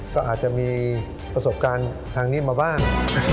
ก็อาจจะมีประสบการณ์ทางนี้มาบ้าง